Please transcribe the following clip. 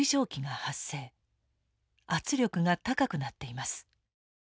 圧力が高くなっています。